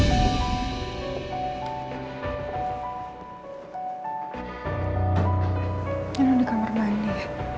ini ada di kamar mana ya